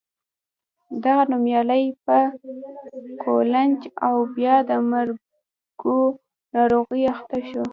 دغه نومیالی په قولنج او بیا د مرګو ناروغۍ اخته شو.